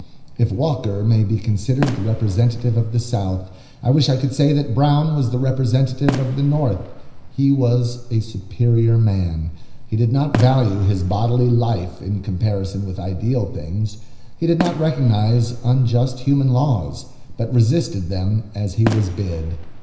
If Walker may be considered the representative of the South, I wish I could say that Brown was the representative of the North. He was a superior man. He did not value his bodily life in comparison with ideal things. He did not recognize unjust human laws, but resisted them as he was bid.